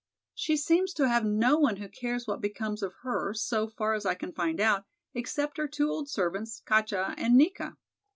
She seems to have no one who cares what becomes of her so far as I can find out, except her two old servants, Katja and Nika.